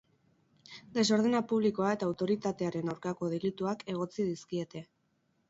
Desordena publikoa eta autoritatearen aurkako delituak egotzi dizkiete.